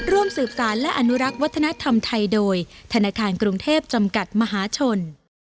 ร่วมสืบสารและอนุรักษ์วัฒนธรรมไทยโดยธนาคารกรุงเทพจำกัดมหาชน